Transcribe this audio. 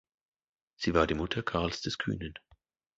Sie war die Mutter Karls des Kühnen.